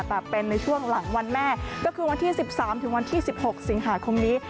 แต่เป็นในช่วงหลังวันแม่ก็คือวันที่๑๓ถึงวันที่๑๖สิงหาคมนี้